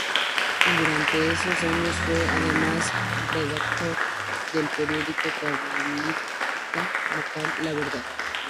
Durante esos años fue además redactor del periódico carlista local "La Verdad".